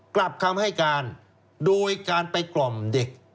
กลับคำให้การโดยการไปกล่อมเด็ก